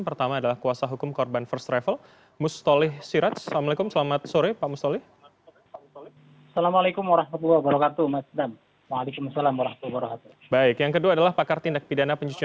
pertama adalah kuasa hukum korban first travel mustoleh siraj